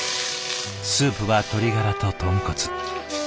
スープは鶏ガラと豚骨。